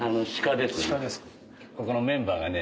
ここのメンバーがね